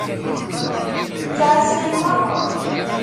Ttɛasan meṛṛa.